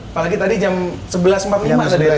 apalagi tadi jam sebelas empat puluh lima